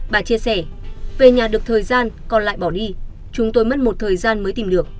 bà chia sẻ về nhà được thời gian còn lại bỏ đi chúng tôi mất một thời gian mới tìm được